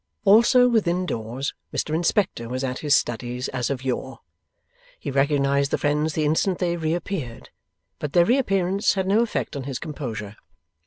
Also, within doors, Mr Inspector was at his studies as of yore. He recognized the friends the instant they reappeared, but their reappearance had no effect on his composure.